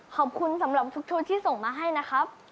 ขอบคุณสำหรับทุกคนที่ส่งมาให้นะครับ